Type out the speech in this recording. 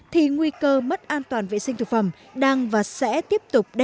thì nguy cơ mất an toàn vệ sinh thực phẩm đang và sẽ tiếp tục đe dọa